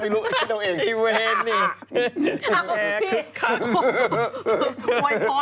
โหยพอร์นกันเสียแล้ว